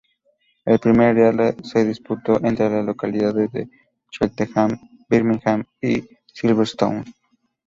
El primer día se disputó entre las localidades de Cheltenham, Birmingham y Silverstone.